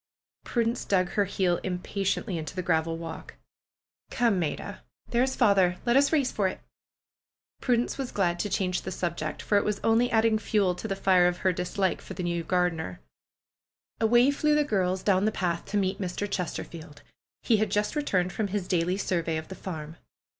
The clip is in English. Prudence dug her heel impatiently into the graveled walk. "Come, Maida! There's father! Let us race for it!" Prudence was glad to change the subject; for it was only adding fuel to the fire of her dislike for the new gardener. 188 PRUE'S GARDENER Away flew the girls down the path to meet Mr. Ches terfield. He had just returned from his daily survey of the farm.